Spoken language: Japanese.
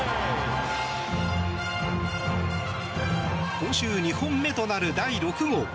今週２本目となる第６号。